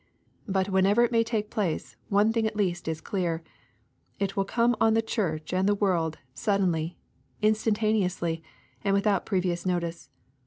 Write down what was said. But whenever it may take place, one thing at least is clear, — it will come on the Church and the world suddenly, instantaneously, and without previous notice.